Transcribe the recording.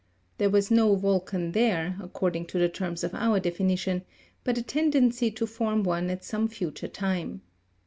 There was no volcan there, according to the terms of our definition, but a tendency to form one at some future time.